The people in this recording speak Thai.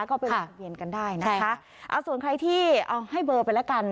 ก็ไปวนเวียนกันได้นะคะเอาส่วนใครที่เอาให้เบอร์ไปแล้วกัน